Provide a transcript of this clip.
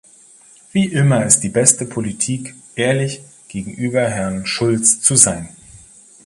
Wie immer ist die beste Politik, ehrlich gegenüber Herrn Schulz zu sein!